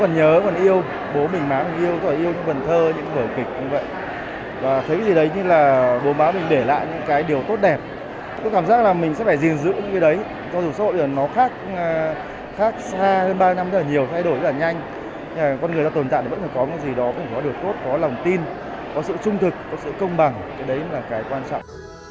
nếu có gì đó cũng có được tốt có lòng tin có sự trung thực có sự công bằng đấy là cái quan trọng